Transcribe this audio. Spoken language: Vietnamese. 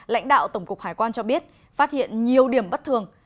lãnh đạo tổng cục hải quan cho biết phát hiện nhiều điểm bất thường